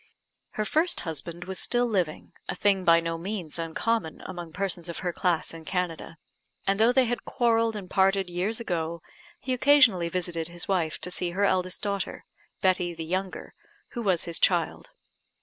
Her first husband was still living (a thing by no means uncommon among persons of her class in Canada), and though they had quarrelled and parted years ago, he occasionally visited his wife to see her eldest daughter, Betty the younger, who was his child.